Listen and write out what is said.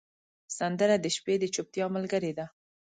سندره د شپې د چوپتیا ملګرې ده